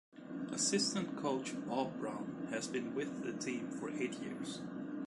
Assistant Coach Bob Brown has been with the team for eight years.